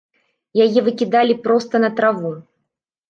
Яе выкідалі проста на траву.